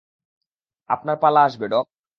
আপনার পালা আসবে, ডক!